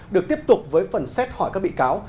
được tiếp tục với phần xét hỏi các bị cáo